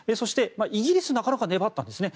イギリスがなかなか粘ったんですね。